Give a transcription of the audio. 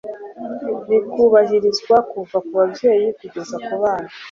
rikubahirizwa kuva ku babyeyi kugeza ku bana,